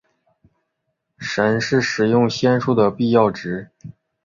神是使用仙术的必要值。